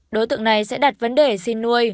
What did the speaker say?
đối tượng này sẽ đặt vấn đề xin nuôi